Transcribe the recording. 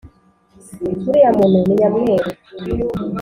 uriya muntu ni nyamweru